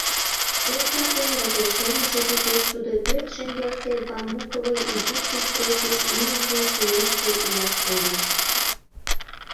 Эдвардын разрешенийже почеш тудо пӧрт шеҥгелсе бамбуковый изи пристройкеш ӱмыржӧ шумешке илаш кодын.